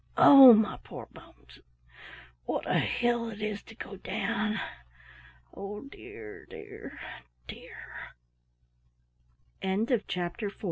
Oh, my poor bones! What a hill it is to go down! Oh dear, dear, dear!" CHAPTER FIFTH.